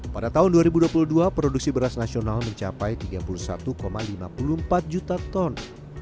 pada tahun dua ribu dua puluh dua produksi beras nasional mencapai tiga puluh satu lima puluh empat juta ton